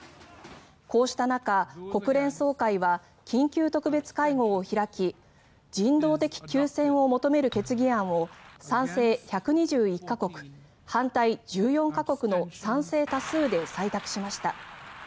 こうした中、国連総会は緊急特別会合を開き人道的休戦を求める決議案を賛成１２１か国、反対１４か国の賛成多数で採択しました。